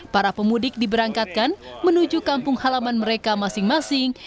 para pemudik diberangkatkan menuju kampung halaman mereka masing masing